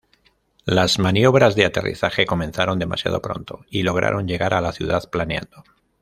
Las maniobras de aterrizaje comenzaron demasiado pronto y logró llegar a la ciudad planeando.